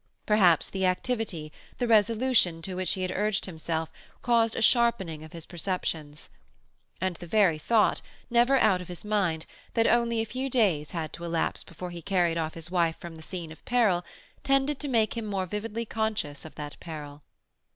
Perhaps the activity, the resolution to which he had urged himself, caused a sharpening of his perceptions. And the very thought, never out of his mind, that only a few days had to elapse before he carried off his wife from the scene of peril, tended to make him more vividly conscious of that peril.